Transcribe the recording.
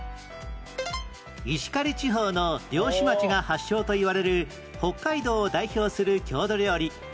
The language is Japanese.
石狩地方の漁師町が発祥といわれる北海道を代表する郷土料理